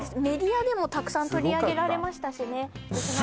メディアでもたくさん取り上げられましたしね